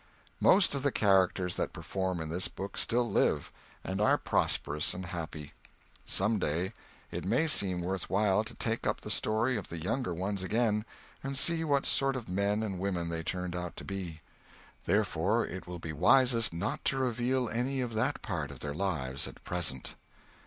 Most of the characters that perform in this book still live, and are prosperous and happy. Some day it may seem worth while to take up the story of the younger ones again and see what sort of men and women they turned out to be; therefore it will be wisest not to reveal any of that part of their lives at present.